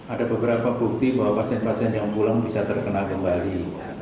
ada beberapa bukti bahwa pasien pasien yang pulang bisa terkena kembali